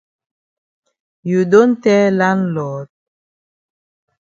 You don tell landlord?